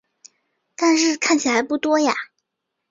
但是看起来不多呀